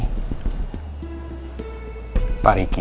supaya kita bisa bantu kamu keluar dari situasi ini